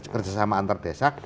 kerjasama antar desa